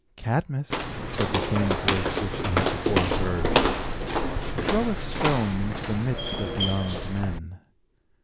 "Cadmus," said the same voice which he had before heard, "throw a stone into the midst of the armed men."